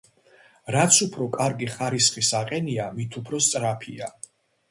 რაც უფრო კარგი ხარისხის აყენია, მით უფრო სწრაფია.